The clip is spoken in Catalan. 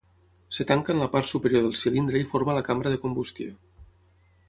Es tanca en la part superior del cilindre i forma la cambra de combustió.